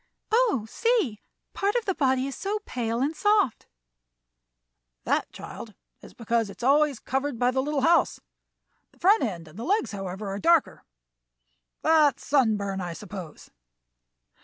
"Oh, see! part of the body is so pale and soft!" "That, child, is because it is always covered by the little house. The front end and the legs, however, are darker. That's sunburn, I suppose."